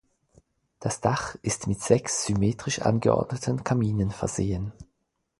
Das Dach ist mit sechs symmetrisch angeordneten Kaminen versehen.